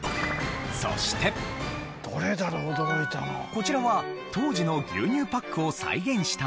こちらは当時の牛乳パックを再現したもの。